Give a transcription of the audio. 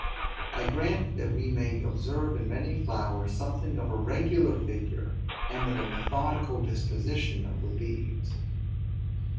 I grant that we may observe in many flowers something of a regular figure, and of a methodical disposition of the leaves.